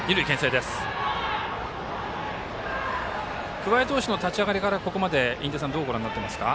桑江投手の立ち上がりからここまで印出さんどうご覧になっていますか。